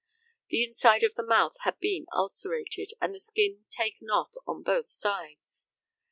The inside of the mouth had been ulcerated, and the skin taken off on both sides.